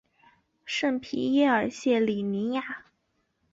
圣皮耶尔谢里尼亚。